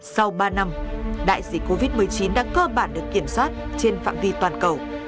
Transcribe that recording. sau ba năm đại dịch covid một mươi chín đã cơ bản được kiểm soát trên phạm vi toàn cầu